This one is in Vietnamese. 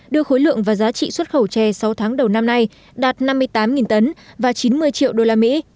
đưa khối lượng và giá trị xuất khẩu tre sáu tháng đầu năm nay đạt năm mươi tám tấn và chín mươi triệu đô la mỹ